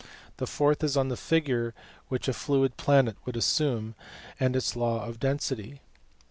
The fourth is on the figure which a fluid planet would assume, and its law of density.